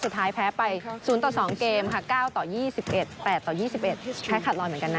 สุดท้ายแพ้ไป๐ต่อ๒เกมค่ะ๙ต่อ๒๑๘ต่อ๒๑แพ้ขาดรอยเหมือนกันนะ